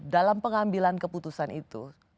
dalam pengambilan keputusan itu